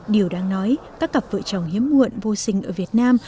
điều đáng nói các cặp vợ chồng hiếm muộn vô sinh ở việt nam